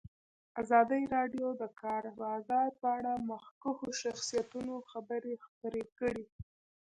ازادي راډیو د د کار بازار په اړه د مخکښو شخصیتونو خبرې خپرې کړي.